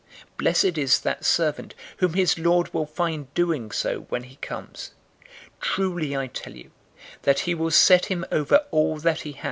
012:043 Blessed is that servant whom his lord will find doing so when he comes. 012:044 Truly I tell you, that he will set him over all that he has.